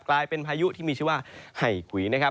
พายุที่มีชื่อว่าไห่กุยนะครับ